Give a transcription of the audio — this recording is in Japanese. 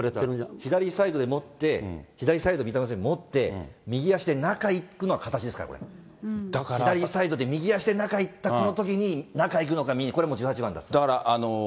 左サイドでもって、左サイド、もって、右足で中行くのが形ですから、左サイドで、右足で中、いったこのときに、中行くのか、これも１８番なんですよね。